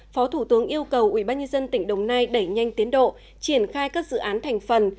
phó thủ tướng yêu cầu ubnd tỉnh đồng nai đẩy nhanh tiến độ triển khai các dự án thành phần